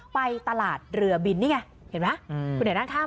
ไปตลาดเรือบินนี่ไงเห็นไหม